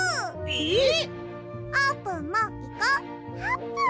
えっ！